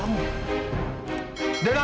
aku bukan fadil yang lemah